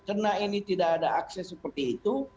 karena ini tidak ada akses seperti itu